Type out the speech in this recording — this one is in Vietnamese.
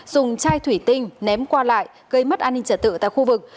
dùng chai thủy tinh ném qua lại gây mất an ninh trả tự tại khu vực